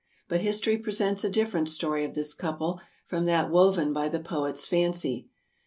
But history presents a different story of this couple from that woven by the poet's fancy.